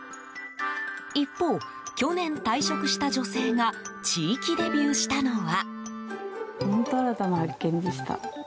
一方、去年退職した女性が地域デビューしたのは。